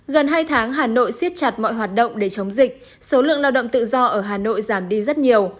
gần hai tháng hà nội siết chặt mọi hoạt động để chống dịch số lượng lao động tự do ở hà nội giảm đi rất nhiều